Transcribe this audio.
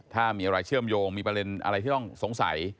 ถ้ามีอะไรเชื่อมโยงมีประเด็นอะไรที่ต้องสงสัย